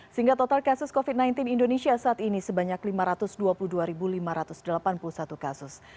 sehingga total kasus covid sembilan belas indonesia saat ini sebanyak lima ratus dua puluh dua lima ratus delapan puluh satu kasus